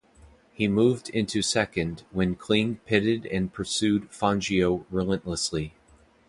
He moved into second when Kling pitted and pursued Fangio relentlessly.